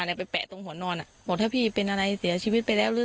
ไปแปะตรงหัวนอนอ่ะบอกถ้าพี่เป็นอะไรเสียชีวิตไปแล้วหรือ